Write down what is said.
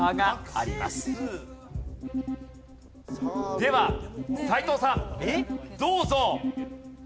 では斎藤さんどうぞ！